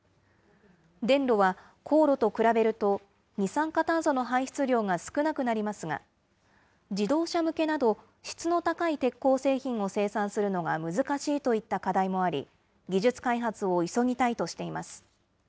電炉は高炉と比べると二酸化炭素の排出量が少なくなりますが、自動車向けなど、質の高い鉄鋼製品を生産するのが難しいといった課題もあり、技術開発を急ぎたいとしています。